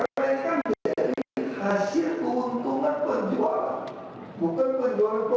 masih mengenai pembahasan terhadap